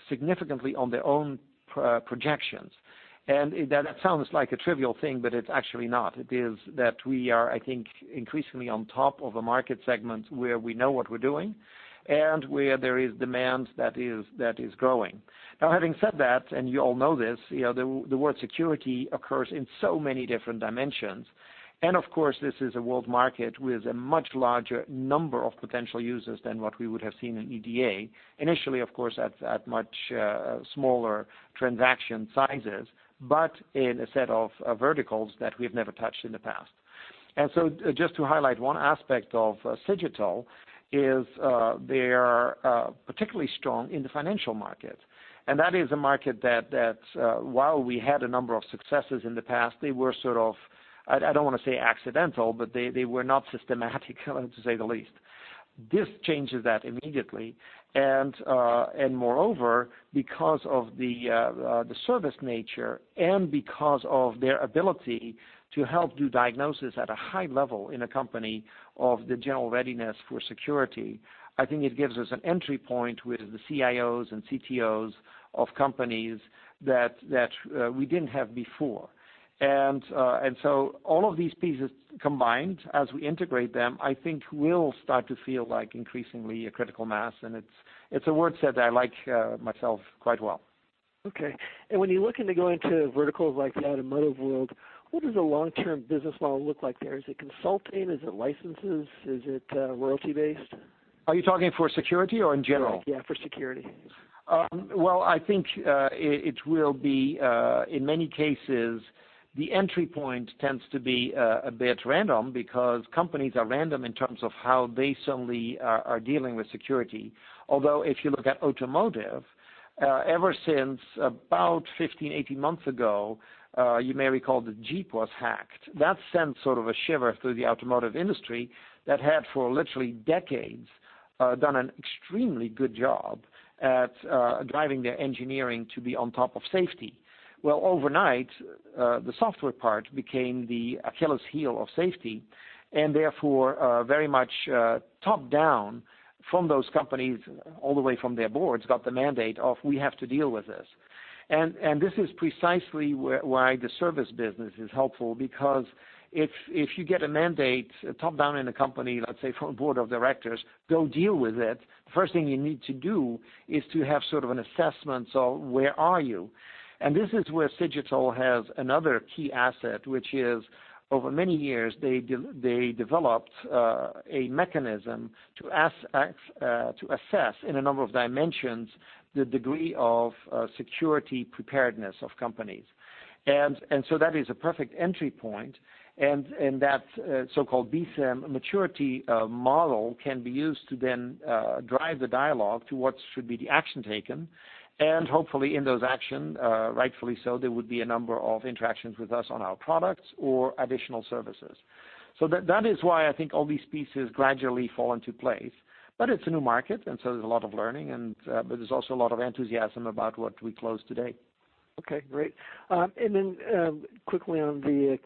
significantly on their own projections. That sounds like a trivial thing, but it's actually not. It is that we are, I think, increasingly on top of a market segment where we know what we're doing and where there is demand that is growing. Having said that, and you all know this, the word security occurs in so many different dimensions. Of course, this is a world market with a much larger number of potential users than what we would have seen in EDA. Initially, of course, at much smaller transaction sizes, but in a set of verticals that we've never touched in the past. Just to highlight one aspect of Cigital, is they are particularly strong in the financial market. That is a market that while we had a number of successes in the past, they were sort of, I don't want to say accidental, but they were not systematic, to say the least. This changes that immediately. Moreover, because of the service nature and because of their ability to help do diagnosis at a high level in a company of the general readiness for security, I think it gives us an entry point with the CIOs and CTOs of companies that we didn't have before. All of these pieces combined, as we integrate them, I think will start to feel like increasingly a critical mass, and it's a word set that I like myself quite well. Okay. When you're looking to go into verticals like the automotive world, what does the long-term business model look like there? Is it consulting? Is it licenses? Is it royalty-based? Are you talking for security or in general? Yeah, for security. Well, I think it will be, in many cases, the entry point tends to be a bit random because companies are random in terms of how they suddenly are dealing with security. Although, if you look at automotive, ever since about 15, 18 months ago, you may recall the Jeep was hacked. That sent sort of a shiver through the automotive industry that had, for literally decades, done an extremely good job at driving their engineering to be on top of safety. Well, overnight, the software part became the Achilles' heel of safety, and therefore, very much top-down from those companies, all the way from their boards, got the mandate of, we have to deal with this. This is precisely why the service business is helpful, because if you get a mandate top-down in a company, let's say from board of directors, go deal with it, first thing you need to do is to have sort of an assessment of where are you. This is where Cigital has another key asset, which is over many years, they developed a mechanism to assess in a number of dimensions the degree of security preparedness of companies. That is a perfect entry point, and that so-called BSIMM maturity model can be used to then drive the dialogue to what should be the action taken. Hopefully in those action, rightfully so, there would be a number of interactions with us on our products or additional services. That is why I think all these pieces gradually fall into place. It's a new market, there's a lot of learning, there's also a lot of enthusiasm about what we closed today. Okay, great. Quickly on the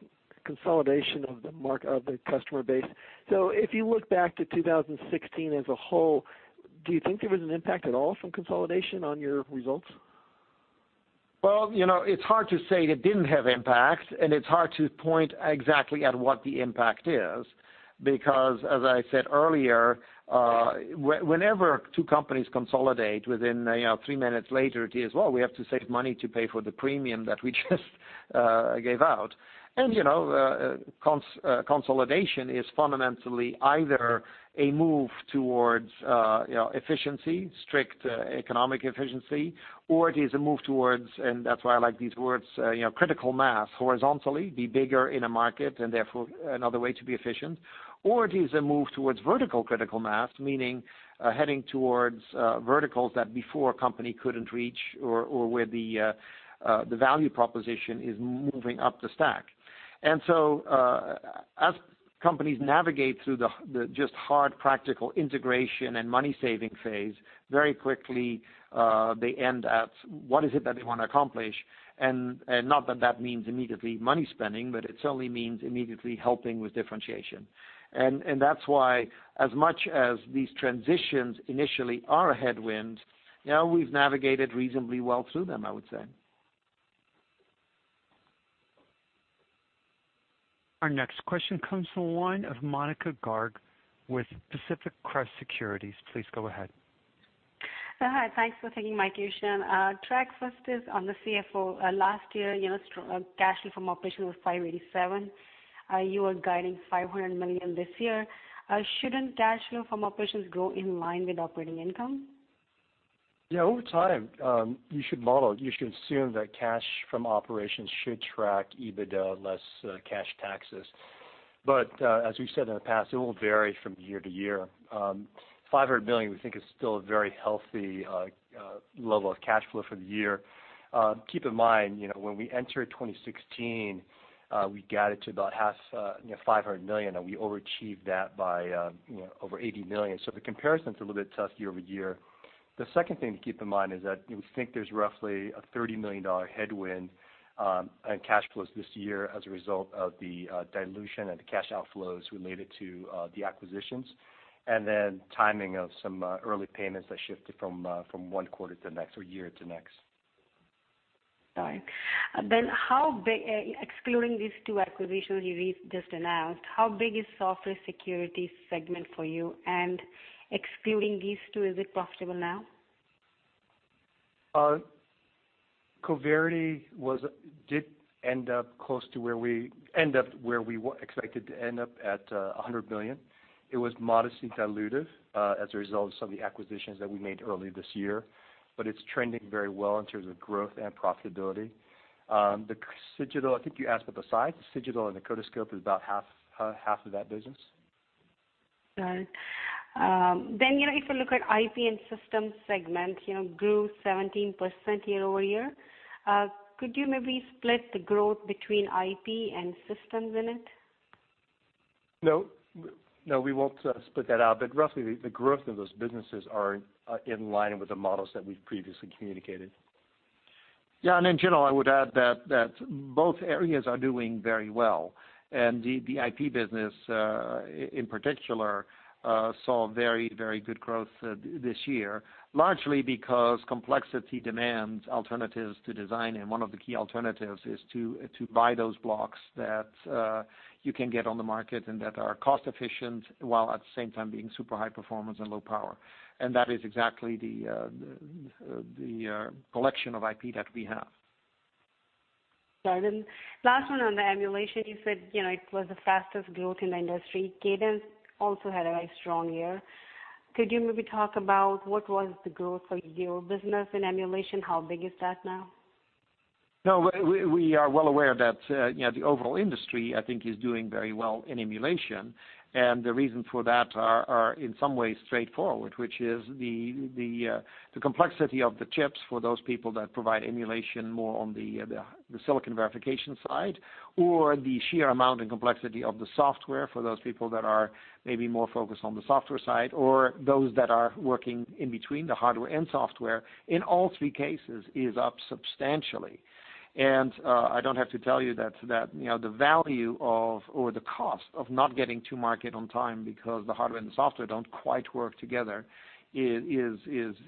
consolidation of the customer base. If you look back to 2016 as a whole, do you think there was an impact at all from consolidation on your results? Well, it's hard to say it didn't have impact, it's hard to point exactly at what the impact is, because as I said earlier, whenever two companies consolidate within three minutes later, it is, well, we have to save money to pay for the premium that we just gave out. Consolidation is fundamentally either a move towards efficiency, strict economic efficiency, or it is a move towards, and that's why I like these words, critical mass horizontally, be bigger in a market and therefore another way to be efficient. It is a move towards vertical critical mass, meaning heading towards verticals that before a company couldn't reach or where the value proposition is moving up the stack. As companies navigate through the just hard practical integration and money saving phase, very quickly, they end at what is it that they want to accomplish. Not that that means immediately money spending, but it certainly means immediately helping with differentiation. That's why as much as these transitions initially are a headwind, we've navigated reasonably well through them, I would say. Our next question comes from the line of Monika Garg with Pacific Crest Securities. Please go ahead. Hi. Thanks for taking my question. Trac, first is on the CFO. Last year, cash flow from operation was $587 million. You are guiding $500 million this year. Shouldn't cash flow from operations grow in line with operating income? Over time, you should assume that cash from operations should track EBITDA less cash taxes. As we've said in the past, it will vary from year to year. $500 million we think is still a very healthy level of cash flow for the year. Keep in mind, when we entered 2016, we guided to about half, $500 million, and we overachieved that by over $80 million. The comparison's a little bit tough year-over-year. The second thing to keep in mind is that we think there's roughly a $30 million headwind on cash flows this year as a result of the dilution and the cash outflows related to the acquisitions, and then timing of some early payments that shifted from one quarter to next or year to next. Got it. Excluding these two acquisitions you just announced, how big is software security segment for you? And excluding these two, is it profitable now? Coverity did end up where we expected to end up at $100 million. It was modestly dilutive, as a result of some of the acquisitions that we made early this year, but it's trending very well in terms of growth and profitability. The Cigital, I think you asked about the size. Cigital and the Codiscope is about half of that business. Got it. If you look at IP and systems segment, grew 17% year-over-year. Could you maybe split the growth between IP and systems in it? No, we won't split that out, roughly the growth of those businesses are in line with the models that we've previously communicated. In general, I would add that both areas are doing very well. The IP business, in particular, saw very, very good growth this year, largely because complexity demands alternatives to design. One of the key alternatives is to buy those blocks that you can get on the market and that are cost efficient, while at the same time being super high performance and low power. That is exactly the collection of IP that we have. Got it. Last one on the emulation. You said it was the fastest growth in the industry. Cadence also had a very strong year. Could you maybe talk about what was the growth for your business in emulation? How big is that now? No, we are well aware that the overall industry, I think, is doing very well in emulation. The reasons for that are in some ways straightforward, which is the complexity of the chips for those people that provide emulation more on the silicon verification side, or the sheer amount and complexity of the software for those people that are maybe more focused on the software side, or those that are working in between the hardware and software, in all three cases is up substantially. I don't have to tell you that the value of, or the cost of not getting to market on time because the hardware and the software don't quite work together is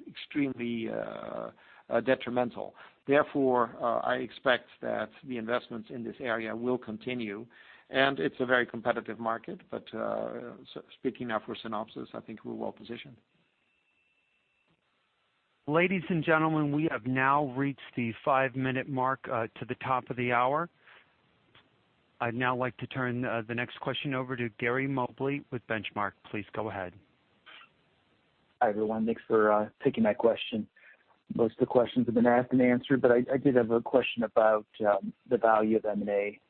extremely detrimental. Therefore, I expect that the investments in this area will continue, and it's a very competitive market, but speaking now for Synopsys, I think we're well positioned. Ladies and gentlemen, we have now reached the five-minute mark to the top of the hour. I'd now like to turn the next question over to Gary Mobley with Benchmark. Please go ahead. Hi, everyone. Thanks for taking my question. Most of the questions have been asked and answered, but I did have a question about the value of M&A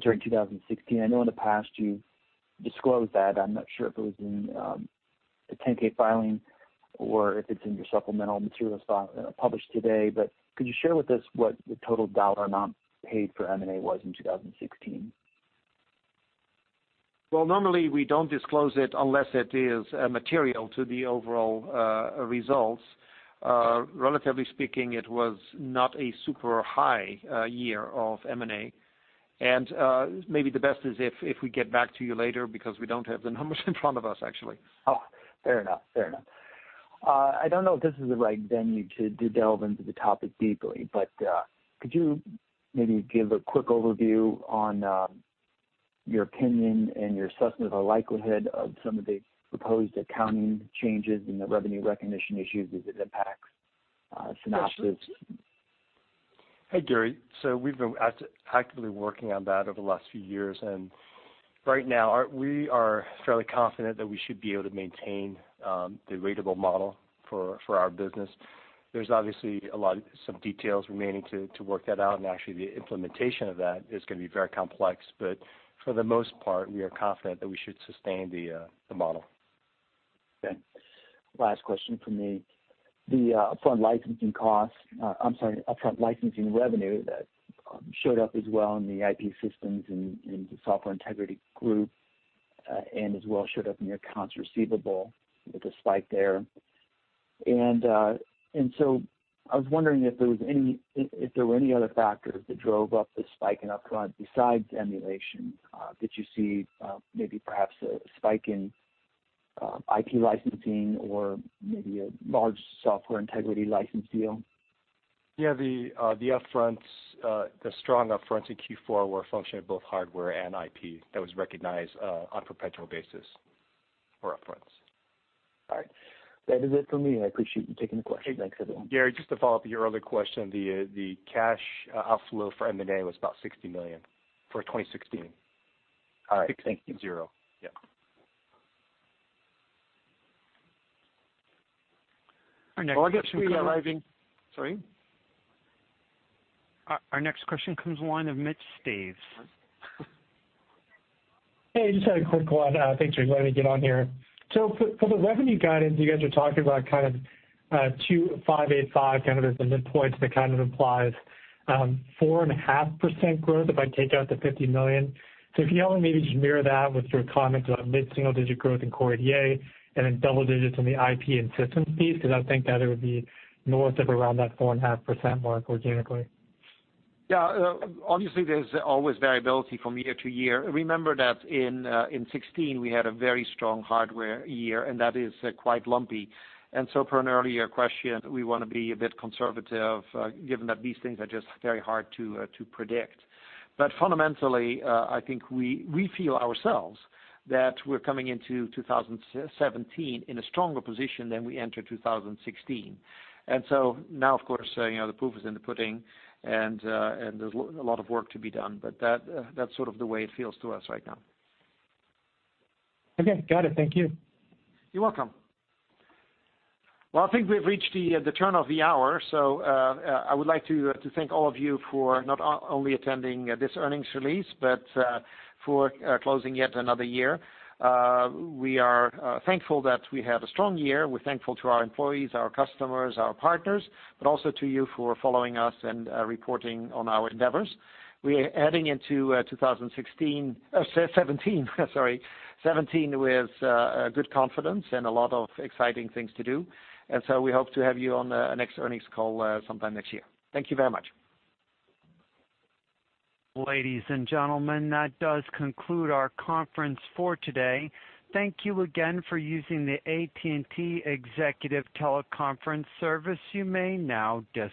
during 2016. I know in the past you've disclosed that. I'm not sure if it was in the 10-K filing or if it's in your supplemental materials published today, but could you share with us what the total dollar amount paid for M&A was in 2016? Well, normally we don't disclose it unless it is material to the overall results. Relatively speaking, it was not a super high year of M&A. Maybe the best is if we get back to you later because we don't have the numbers in front of us, actually. Fair enough. I don't know if this is the right venue to delve into the topic deeply, but could you maybe give a quick overview on your opinion and your assessment of the likelihood of some of the proposed accounting changes and the revenue recognition issues as it impacts Synopsys? Sure. Hi, Gary. We've been actively working on that over the last few years, and right now we are fairly confident that we should be able to maintain the ratable model for our business. There's obviously some details remaining to work that out, and actually the implementation of that is going to be very complex, but for the most part, we are confident that we should sustain the model. Okay, last question from me. The upfront licensing costs, I'm sorry, upfront licensing revenue that showed up as well in the IP systems and Software Integrity Group, and as well showed up in your accounts receivable with a spike there. I was wondering if there were any other factors that drove up the spike in upfront besides emulation. Did you see maybe perhaps a spike in IP licensing or maybe a large Software Integrity license deal? Yeah. The strong upfronts in Q4 were a function of both hardware and IP that was recognized on a perpetual basis for upfronts. All right. That is it for me, and I appreciate you taking the question. Thanks, everyone. Gary, just to follow up your earlier question, the cash outflow for M&A was about $60 million for 2016. All right. Thank you. Six zero. Yeah. Our next question comes- Well, I guess we are. Sorry? Our next question comes the line of Mitch Steves. Hey, just had a quick one. Thanks for letting me get on here. For the revenue guidance, you guys are talking about kind of $2,585 kind of as the midpoint. That kind of implies 4.5% growth if I take out the $50 million. If you could maybe just mirror that with your comments about mid-single-digit growth in core EDA and then double digits on the IP and systems piece, I think that it would be north of around that 4.5% mark organically. Yeah. Obviously there's always variability from year to year. Remember that in 2016 we had a very strong hardware year, that is quite lumpy. Per an earlier question, we want to be a bit conservative given that these things are just very hard to predict. Fundamentally, I think we feel ourselves that we're coming into 2017 in a stronger position than we entered 2016. Now, of course, the proof is in the pudding, there's a lot of work to be done, but that's sort of the way it feels to us right now. Okay. Got it. Thank you. You're welcome. I think we've reached the turn of the hour. I would like to thank all of you for not only attending this earnings release, but for closing yet another year. We are thankful that we had a strong year. We're thankful to our employees, our customers, our partners, but also to you for following us and reporting on our endeavors. We are heading into 2016, 2017, sorry, 2017 with good confidence and a lot of exciting things to do. We hope to have you on the next earnings call sometime next year. Thank you very much. Ladies and gentlemen, that does conclude our conference for today. Thank you again for using the AT&T Executive Teleconference Service. You may now disconnect.